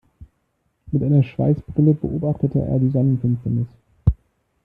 Mit einer Schweißbrille beobachtete er die Sonnenfinsternis.